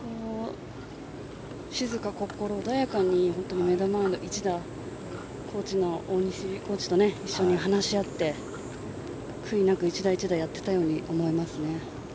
静か、心穏やかに１打大西コーチと一緒に話し合って悔いなく１打１打やっていたように思いますね。